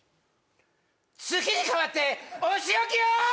「月にかわっておしおきよ！」